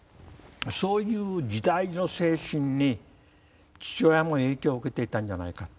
そういう時代の精神に父親も影響を受けていたんじゃないかと。